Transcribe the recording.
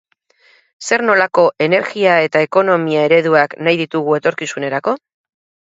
Zer nolako energia eta ekonomia ereduak nahi ditugu etorkizunerako?